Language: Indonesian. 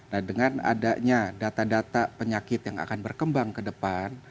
nah dengan adanya data data penyakit yang akan berkembang ke depan